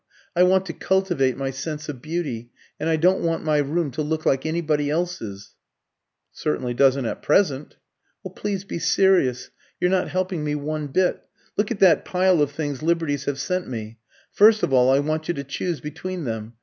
I want to cultivate my sense of beauty, and I don't want my room to look like anybody else's." "It certainly doesn't at present." "Please be serious. You're not helping me one bit. Look at that pile of things Liberty's have sent me! First of all, I want you to choose between them.